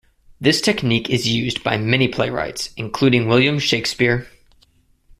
This technique is used by many playwrights, including William Shakespeare.